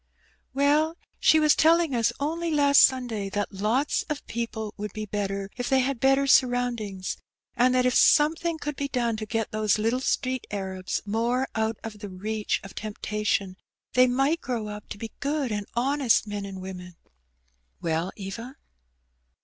"Well, she was telling ns only last Sunday that lots of people would be better if tbey had better surroundings ; and that if something oonld be done to get those little street Arabs more out of the reach of temptation, they night grow up to be good and honest men and women." "Well, Eva?"